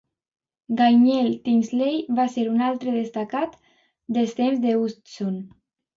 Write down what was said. Gaynell Tinsley va ser un altre destacat del temps de Hutson.